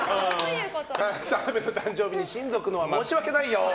澤部の誕生日に親族のは申し訳ないよー。